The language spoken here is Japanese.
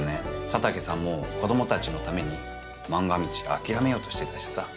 佐竹さんも子供たちのために漫画道諦めようとしてたしさ。